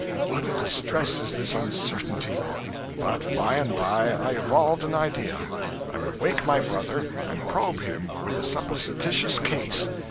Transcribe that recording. what a distress is this uncertainty! But by and by I evolved an idea I would wake my brother and probe him with a supposititious case.